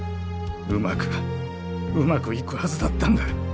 うまくうまくいくはずだったんだ。